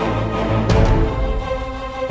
aku akan menangkan gusti ratu